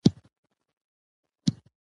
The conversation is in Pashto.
د نجونو تعليم د ګډو کارونو باور زياتوي.